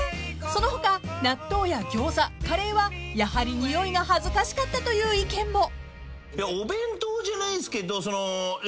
［その他納豆やギョーザカレーはやはりにおいが恥ずかしかったという意見も］